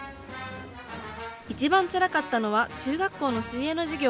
一番つらかったのは中学校の水泳の授業。